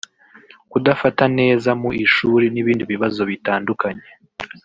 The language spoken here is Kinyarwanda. kudafata neza mu ishuri n’ibindi bibazo bitandukanye